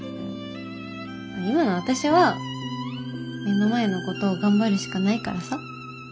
今の私は目の前のことを頑張るしかないからさ。